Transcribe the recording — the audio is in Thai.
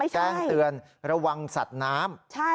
แจ้งเตือนระวังสัตว์น้ำ